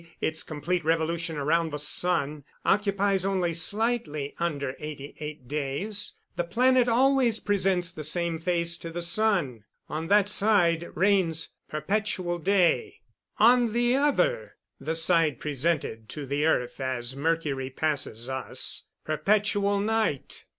_, its complete revolution around the sun, occupies only slightly under eighty eight days, the planet always presents the same face to the sun. On that side reigns perpetual day; on the other the side presented to the earth as Mercury passes us perpetual night.